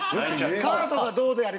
カードがどうであれ